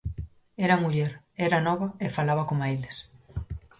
"Era muller, era nova e falaba coma eles".